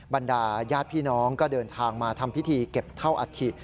บรรดาญาติพี่น้องก็เดินทางมาทำพิธีเก็บเท่าอัฐิ